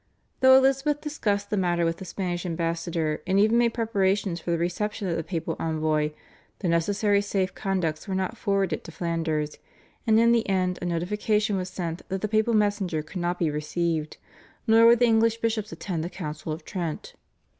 Though Elizabeth discussed the matter with the Spanish ambassador and even made preparations for the reception of the papal envoy, the necessary safe conducts were not forwarded to Flanders, and in the end a notification was sent that the papal messenger could not be received, nor would the English bishops attend the Council of Trent.